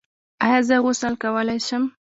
ایا زه غسل کولی شم؟